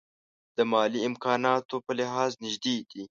د مالي امکاناتو په لحاظ نژدې دي.